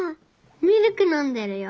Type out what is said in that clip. ミルク飲んでるよ。